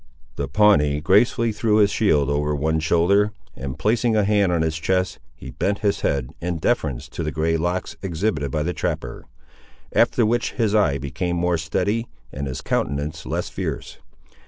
The Pawnee gracefully threw his shield over one shoulder, and placing a hand on his chest, he bent his head, in deference to the grey locks exhibited by the trapper; after which his eye became more steady, and his countenance less fierce.